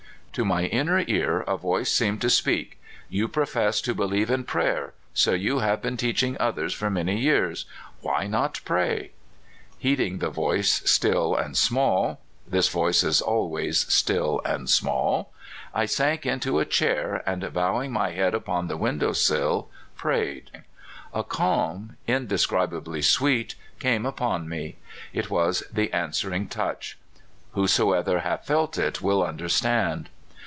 To my inner ear a voice seemed to speak: "You profess to believe in prayer; so you have been teaching others for man}^ years ; why not pray?" Heeding the voice still and small — this voice is alwa3'S still and small — I sank into a chair, and, bowing my head upon the window sill, prayed. A calm indescribably sweet came upon me. It was the answering touch. (Whoso hath felt it will understand.)